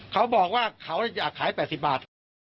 เขาบอกว่าเขาอยากขาย๘๐บาท